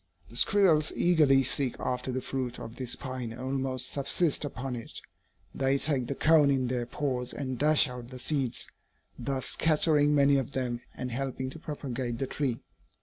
The squirrels eagerly seek after the fruit of this pine and almost subsist upon it. They take the cone in their paws and dash out the seeds, thus scattering many of them and helping to propagate the tree.